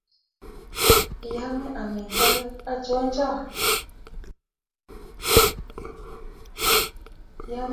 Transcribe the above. Iome amitwogik anchochon ?